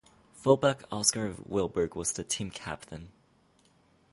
Fullback Oscar Wiberg was the team captain.